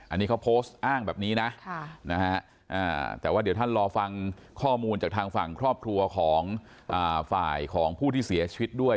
อันนี้เขาโพสต์อ้างแบบนี้นะแต่ว่าเดี๋ยวท่านรอฟังข้อมูลจากทางฝั่งครอบครัวของฝ่ายของผู้ที่เสียชีวิตด้วย